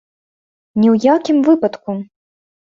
Ні ў якім выпадку.